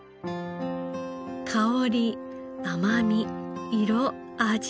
「香り甘み色味